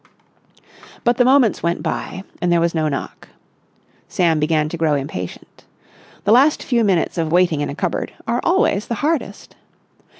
But the moments went by, and there was no knock. Sam began to grow impatient. The last few minutes of waiting in a cupboard are always the hardest.